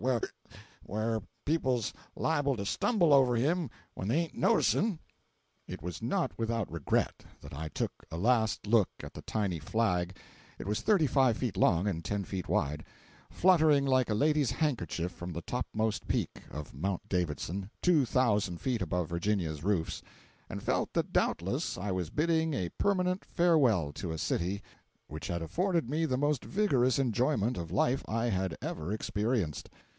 where people's liable to stumble over him when they ain't noticin'!" It was not without regret that I took a last look at the tiny flag (it was thirty five feet long and ten feet wide) fluttering like a lady's handkerchief from the topmost peak of Mount Davidson, two thousand feet above Virginia's roofs, and felt that doubtless I was bidding a permanent farewell to a city which had afforded me the most vigorous enjoyment of life I had ever experienced.